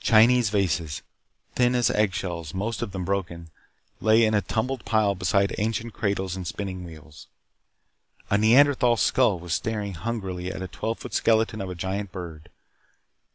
Chinese vases, thin as egg shells, most of them broken, lay in a tumbled pile beside ancient cradles and spinning wheels. A Neanderthal skull was staring hungrily at a twelve foot skeleton of a giant bird.